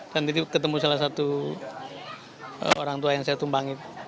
dan ketemu salah satu orang tua yang saya tumpangin